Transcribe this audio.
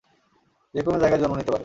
যেকোন জায়গায় জন্ম নিতে পারে।